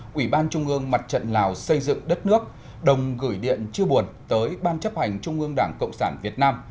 quỹ ban trung ương mặt trận lào xây dựng đất nước đồng gửi điện chia buồn tới ban chấp hành trung ương đảng cộng sản việt nam